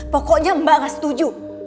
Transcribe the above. pokoknya mbak gak setuju